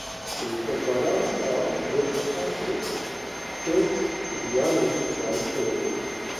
Di mûşekbarana li Xebatê ti ziyanên canî çê nebûn.